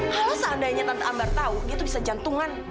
kalau seandainya tante ambar tau dia tuh bisa jantungan